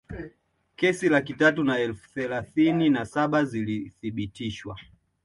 Kesi laki tatu na elfu thelathini na saba zilithibitishwa